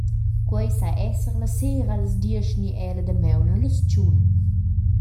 Quei sa esser la sera allas diesch ni era la damaun allas tschun.